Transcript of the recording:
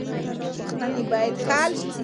پوښتنې بايد حل سي.